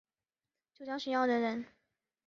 九江浔阳人人。